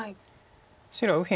白は右辺